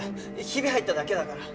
ヒビ入っただけだから。